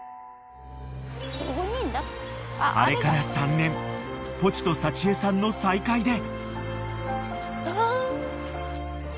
［あれから３年ポチと幸枝さんの再会で］